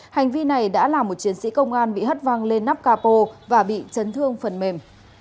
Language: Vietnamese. hành vi này đã làm một chiến sĩ công an bị hất văng lên nắp capo và bị chấn thương phần mềm